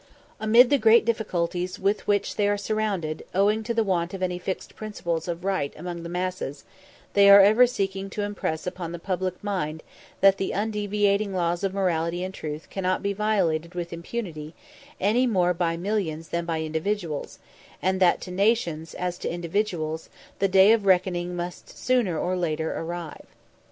Amid the great difficulties with which they are surrounded, owing to the want of any fixed principles of right among the masses, they are ever seeking to impress upon the public mind that the undeviating laws of morality and truth cannot be violated with impunity any more by millions than by individuals, and that to nations, as to individuals, the day of reckoning must sooner or later arrive.